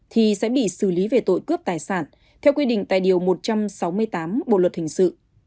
thì sẽ bị xử lý về tội cướp tài sản theo quy định tại điều một trăm sáu mươi tám bộ luật hình sự